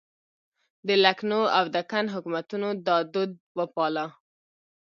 د لکنهو او دکن حکومتونو دا دود وپاله.